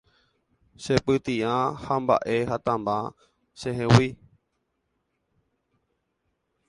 che pyti'a ha mba'e hatãmba chehegui